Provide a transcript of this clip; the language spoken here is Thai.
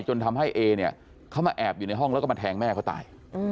จนทำให้เอเนี่ยเขามาแอบอยู่ในห้องแล้วก็มาแทงแม่เขาตาย